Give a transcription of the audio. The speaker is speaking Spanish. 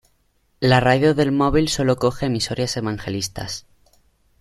La radio del móvil sólo coge emisoras evangelistas.